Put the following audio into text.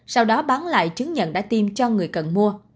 sau đó bán lại chứng nhận đã tiêm cho người cần mua